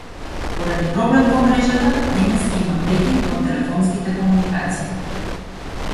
Поради проблем во мрежата, денес ќе има прекин во телефонските комуникации.